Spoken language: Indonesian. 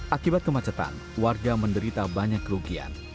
akibat kemacetan warga menderita banyak kerugian